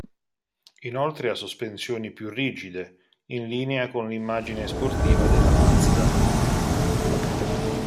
Inoltre ha sospensioni più rigide, in linea con l'immagine sportiva della Mazda.